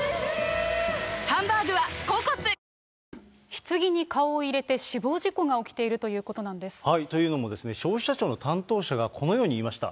ひつぎに顔を入れて、死亡事故が起きているということなんでというのもですね、消費者庁の担当者が、このようにいいました。